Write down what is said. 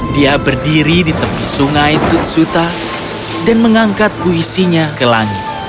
dia berdiri di tepi sungai tutsuta dan mengangkat puisinya ke langit